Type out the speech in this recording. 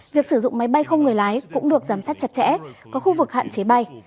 việc sử dụng máy bay không người lái cũng được giám sát chặt chẽ có khu vực hạn chế bay